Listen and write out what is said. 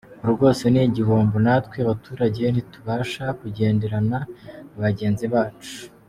Ubu rwose ni igihombo natwe abaturage ntitubasha kugenderana na bagenzi bacu”.